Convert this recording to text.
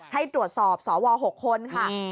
ให้ตรวจสอบสว๖คนค่ะ